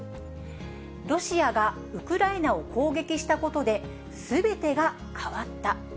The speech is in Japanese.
ロシアがウクライナを攻撃したことで、すべてが変わった。